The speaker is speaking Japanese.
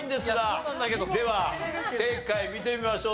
では正解見てみましょう。